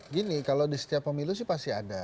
gini kalau di setiap pemilu sih pasti ada